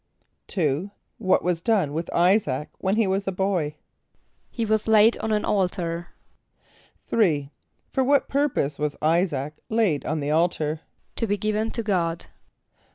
= What was done with [=I]´[s+]aac when he was a boy? =He was laid on an altar.= =3.= For what purpose was [=I]´[s+]aac laid on the altar? =To be given to God.